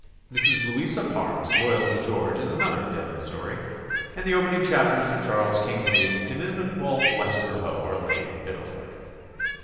Mrs. Louisa Parr's "Loyalty George" is another Devon story, and the opening chapters of Charles Kingsley's inim itable "Westward Ho" are laid in Biddeford.